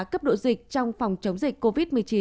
cấp độ dịch trong phòng chống dịch covid một mươi chín